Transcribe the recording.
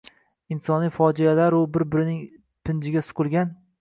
Insoniy fojealaru bir-birining pinjiga suqilgan.